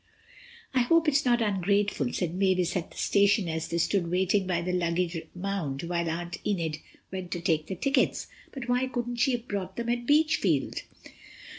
"I hope it's not ungrateful," said Mavis at the station as they stood waiting by the luggage mound while Aunt Enid went to take the tickets—"but why couldn't she have bought them at Beachfield?"